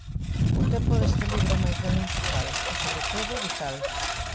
O tempo deste libro é máis ben musical, e sobre todo, vital.